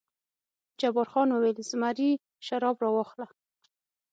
جبار خان وویل: زمري شراب راواخله.